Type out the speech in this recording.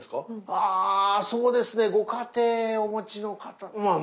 あそうですね。ご家庭お持ちの方まあ